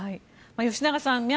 吉永さん